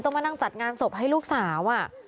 มานั่งจัดงานศพให้ลูกสาว